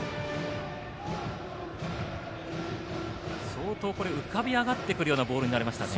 相当浮かび上がってくるボールになりましたね。